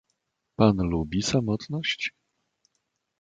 "Pan lubi samotność?"